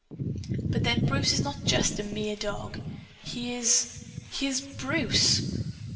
But then Bruce is not just a 'mere dog.' He is he is BRUCE.